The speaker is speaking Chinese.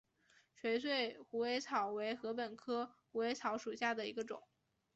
垂穗虎尾草为禾本科虎尾草属下的一个种。